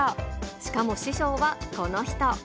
しかも、師匠はこの人。